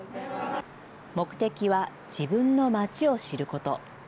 目的は自分の町を知ること。